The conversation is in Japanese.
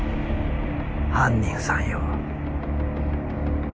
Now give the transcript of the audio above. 犯人さんよ。